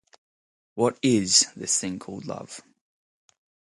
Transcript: What Is This Thing Called Love?